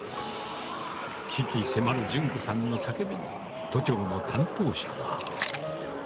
鬼気迫る順子さんの叫びに、都庁の担当者は。